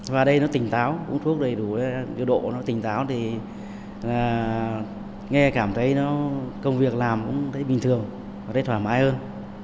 và đây nó tỉnh táo uống thuốc đầy đủ độ nó tỉnh táo thì nghe cảm thấy công việc làm cũng thấy bình thường thấy thoải mái hơn